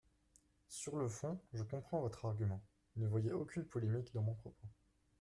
Sur le fond, je comprends votre argument, ne voyez aucune polémique dans mon propos.